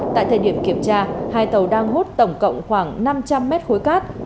tại thời điểm kiểm tra hai tàu đang hút tổng cộng khoảng năm trăm linh mét khối cát